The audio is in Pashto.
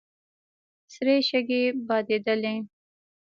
سرې شګې بادېدلې.